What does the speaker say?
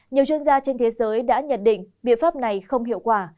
nhiều chuyên gia trên thế giới đã nhận định biện pháp này không hiệu quả